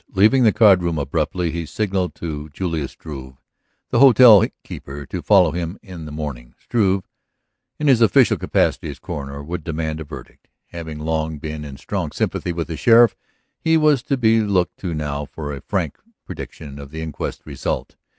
Leaving the card room abruptly he signalled to Julius Struve, the hotel keeper, to follow him. In the morning Struve, in his official capacity as coroner, would demand a verdict. Having long been in strong sympathy with the sheriff he was to be looked to now for a frank prediction of the inquest's result.